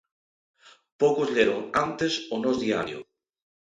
Poucos leron antes o Nós Diario.